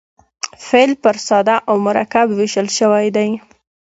فعل پر ساده او مرکب وېشل سوی دئ.